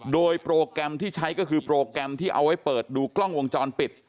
โดยโปรแกรมที่ใช้ก็คือโปรแกรมที่เอาไว้เปิดดูกล้องวงจรปิด